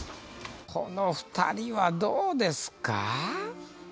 この２人はどうですか？